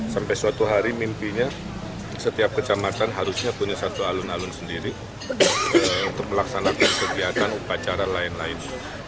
sampai suatu hari mimpinya setiap kecamatan harusnya punya satu alun alun sendiri untuk melaksanakan kegiatan upacara lain lain